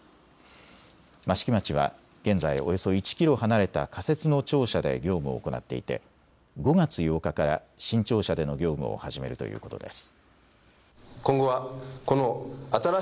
益城町は現在、およそ１キロ離れた仮設の庁舎で業務を行っていて５月８日から新庁舎での業務を始めるということです。